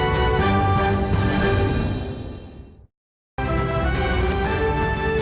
agar tetap pada jalurnya